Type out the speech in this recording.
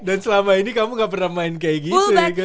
dan selama ini kamu gak pernah main kayak gitu fullback